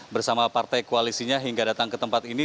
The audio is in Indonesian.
bersama partai koalisinya hingga datang ke tempat ini